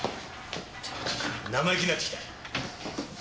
生意気になってきた。